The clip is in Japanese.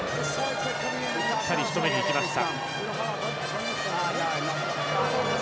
しっかりしとめにいきました。